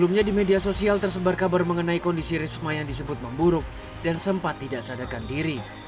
sebelumnya di media sosial tersebar kabar mengenai kondisi risma yang disebut memburuk dan sempat tidak sadarkan diri